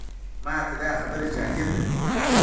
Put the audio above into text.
ماته دا خبره جالبه ده.